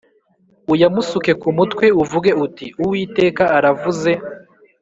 uyamusuke ku mutwe uvuge uti Uwiteka aravuze